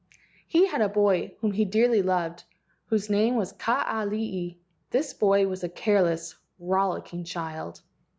He had a boy whom he dearly loved, whose name was Kaa lii (rolling chief).. This boy was a careless, rollicking child.